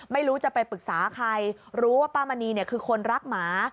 ไม่รู้จะไปปรึกษาใครรู้ว่าป้ามณีเนี่ยคือคนรักหมา